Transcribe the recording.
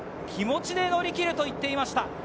気持ちで乗り切ると言っていました。